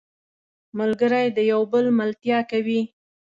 ملګری د یو بل ملتیا کوي